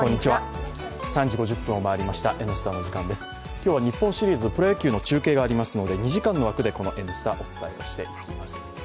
今日は日本シリーズ、プロ野球の中継がありますので２時間の枠でこの「Ｎスタ」、お伝えをしていきます。